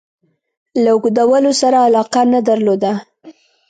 له اوږدولو سره علاقه نه درلوده.